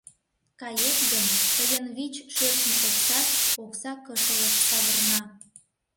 — Кает гын, тыйын вич шӧртньӧ оксат окса кышылыш савырна.